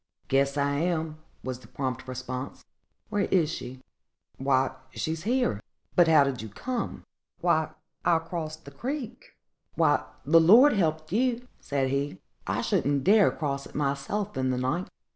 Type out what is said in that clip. "Guess I am," was the prompt response; "where is she?" "Why, she's here." "But how did you come?" "I crossed the creek." "Why, the Lord helped you!" said he; "I shouldn't dare cross it myself in the night.